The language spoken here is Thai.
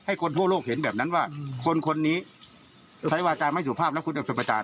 คนทั่วโลกเห็นแบบนั้นว่าคนคนนี้ใช้วาจาไม่สุภาพแล้วคุณจะเป็นประจาน